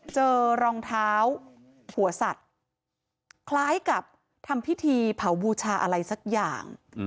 เจอรองเท้าหัวสัตว์คล้ายกับทำพิธีเผาบูชาอะไรสักอย่าง